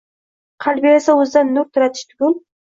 Qalbi esa o‘zidan nur taratish tugul